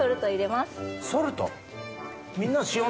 ソルト？